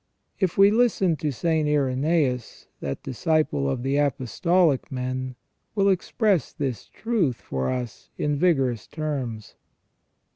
If we listen to St. Irenaeus, that disciple of the apostolic men will express this truth for us in vigorous terms.